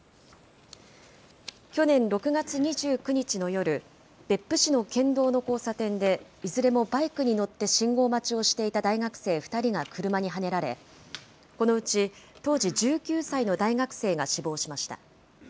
去年６月２９日の夜、別府市の県道の交差点でいずれもバイクに乗って信号待ちをしていた大学生２人が車にはねられ、このうち当時１９歳の大学生が死亡しました。